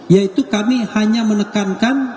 yaitu kami hanya menekankan